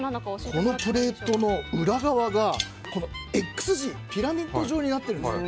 このプレートの裏側がピラミッド状になっているんですよ。